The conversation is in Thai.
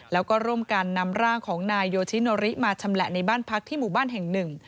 แล้วก็ร่วมกันนำร่างของนายโยชิโนริมาชำแหละในบ้านพักที่หมู่บ้านแห่งหนึ่ง